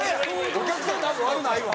お客さんなんも悪ないわ！